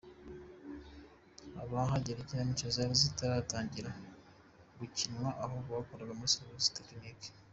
Ahagera Ikinamico zari zitaratangira gukinwa ahubwo yakoraga muri serivisi tekiniki.